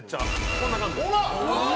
こんな感じです。